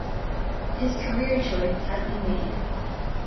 His career choice had been made.